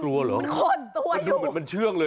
เป็นคนตัวอยู่